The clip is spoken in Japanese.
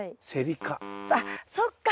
あっそっか。